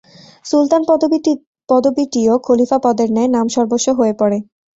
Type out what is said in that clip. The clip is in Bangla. সুলতান পদবীটিও খলীফা পদের ন্যায় নামসর্বস্ব হয়ে পড়ে।